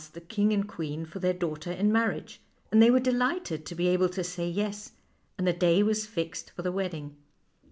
7 THE LITTLE WHITE CAT 137 the king and queen for their daughter in mar riage, and they were delighted to be able to say yes, and the day was fixed for the wedding.